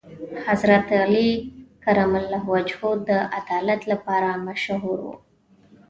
حضرت علی کرم الله وجهه د عدالت لپاره مشهور و.